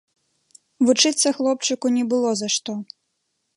Вучыцца хлопчыку не было за што.